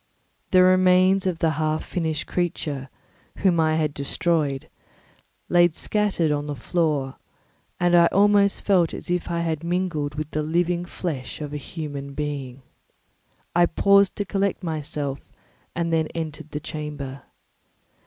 The remains of the half finished creature, whom I had destroyed, lay scattered on the floor, and I almost felt as if I had mangled the living flesh of a human being. I paused to collect myself and then entered the chamber.